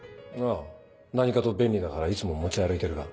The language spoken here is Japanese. ああ何かと便利だからいつも持ち歩いてるが。